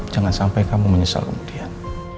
jangan sampai kamu menyesal kemudian